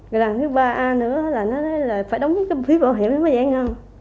rồi lần thứ ba nữa là phải đóng cái phí bảo hiểm nó mới giải ngân